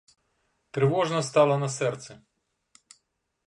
Трывожна стала на сэрцы.